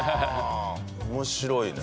面白いね。